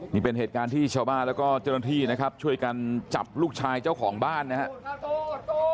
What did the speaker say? นี่เป็นเหตุการณ์ที่ชาวบ้านแล้วก็เจ้าหน้าที่นะครับช่วยกันจับลูกชายเจ้าของบ้านนะครับ